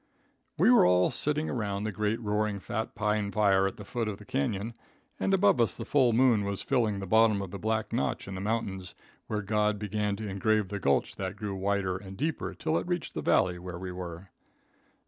We were all sitting around the roaring fat pine fire at the foot of the canon, and above us the full moon was filling the bottom of the black notch in the mountains, where God began to engrave the gulch that grew wider and deeper till it reached the valley where we were.